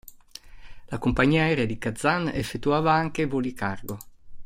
La compagnia aerea di Kazan effettuava anche voli cargo.